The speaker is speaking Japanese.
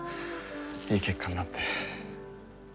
いい結果になって。